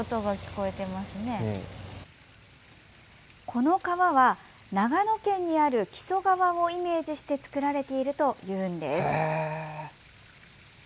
この川は、長野県にある木曽川をイメージして作られているというんです。